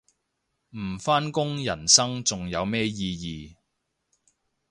唔返工人生仲有咩意義